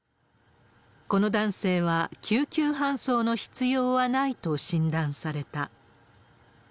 この男性は、救急搬送の必要はないと診断された。